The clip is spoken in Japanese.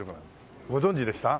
ご存じでした？